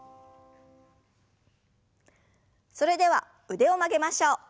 それでは腕を曲げましょう。